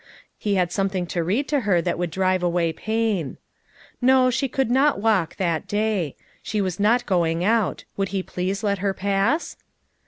He had something to read to her that would drive away pain. No, she could not walk, that day. She was not go ing out; would he please let her pass?